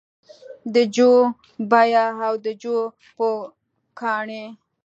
د جو بیمه او د جو پوکاڼې